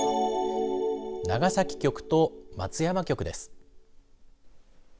長崎局と松山局です。